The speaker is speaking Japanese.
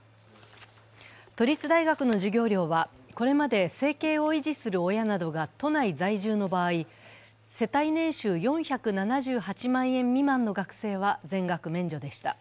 都立大学の授業料は、これまで生計を維持する親などが都内在住の場合世帯年収４７８万円未満の学生は全額免除でした。